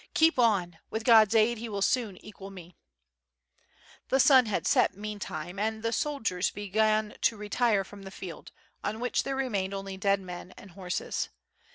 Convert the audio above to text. keep on! with God's aid he will soon equal me." The sun had set meantime, and the soldiers began to re tire from the field, on which there remained only dead men and horses.